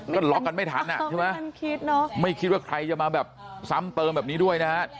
ก็ล็อกกันไม่ทันอ่ะใช่ไหมไม่คิดว่าใครจะมาแบบซ้ำเติมแบบนี้ด้วยนะฮะ